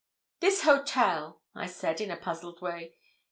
'This hotel,' I said, in a puzzled way.